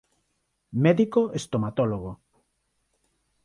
Médico estomatólogo.